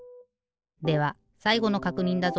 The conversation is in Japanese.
ではさいごのかくにんだぞ！